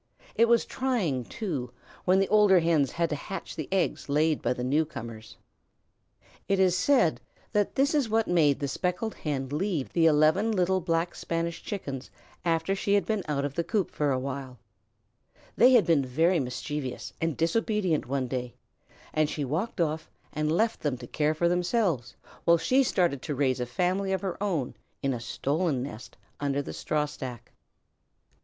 It was trying, too, when the older Hens had to hatch the eggs laid by the newcomers. [Illustration: THEY WERE FREE TO GO WHERE THEY CHOSE. Page 6] It is said that this was what made the Speckled Hen leave the eleven little Black Spanish Chickens after she had been out of the coop for a while. They had been very mischievous and disobedient one day, and she walked off and left them to care for themselves while she started to raise a family of her own in a stolen nest under the straw stack.